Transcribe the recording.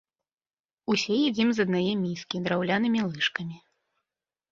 Усе ядзім з аднае міскі драўлянымі лыжкамі.